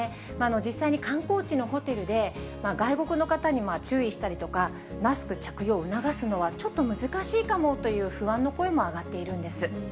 実際に観光地のホテルで、外国の方に注意したりとか、マスク着用を促すのは、ちょっと難しいかもという不安の声も上がっているんです。